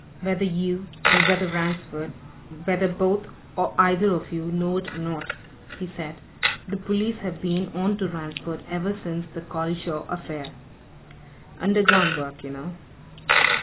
"Whether you, or whether Ransford whether both or either of you, know it or not," he said, "the police have been on to Ransford ever since that Collishaw affair! Underground work, you know.